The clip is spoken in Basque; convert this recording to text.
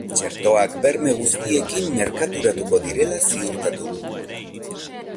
Txertoak berme guztiekin merkaturatuko direla ziurtatu du.